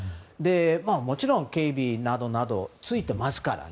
もちろん警備などなどついてますからね。